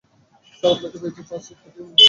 Sir, আপনাকে পেয়েছি first aid kit নিয়ে এসো।